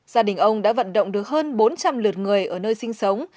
gia đình ông đã vận động được hơn bốn trăm linh lượt người ở nơi sinh sống